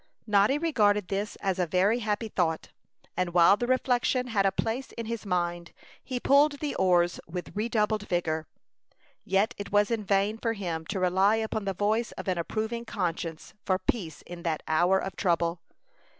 Noddy regarded this as a very happy thought; and while the reflection had a place in his mind, he pulled the oars with redoubled vigor. Yet it was in vain for him to rely upon the voice of an approving conscience for peace in that hour of trouble.